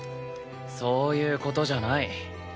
そういう事じゃない。